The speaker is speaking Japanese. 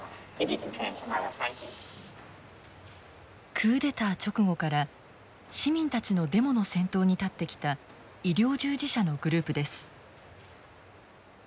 クーデター直後から市民たちのデモの先頭に立ってきた医療従事者のグループです。